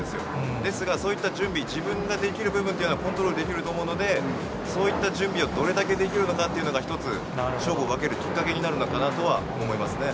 ですが、そういった準備、自分ができる部分というのはコントロールできると思うので、そういった準備をどれだけできるのかというのが、一つ、勝負を分けるきっかけになるのかなとは思いますね。